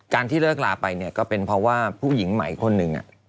ที่เลิกลาไปเนี่ยก็เป็นเพราะว่าผู้หญิงใหม่คนหนึ่ง